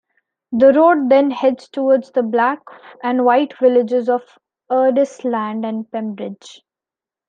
The road then heads towards the black and white villages of Eardisland and Pembridge.